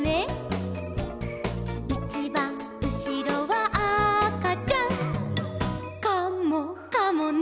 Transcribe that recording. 「いちばんうしろはあかちゃん」「カモかもね」